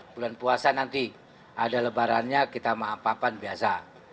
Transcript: bulan puasa nanti ada lebarannya kita maafkan biasa